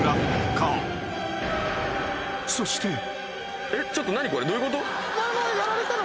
［そして］